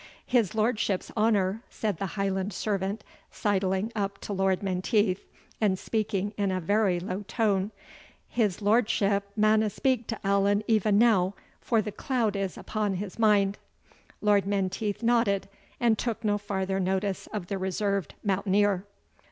"His lordship's honour," said the Highland servant sideling up to Lord Menteith, and speaking in a very low tone, "his lordship manna speak to Allan even now, for the cloud is upon his mind." Lord Menteith nodded, and took no farther notice of the reserved mountaineer.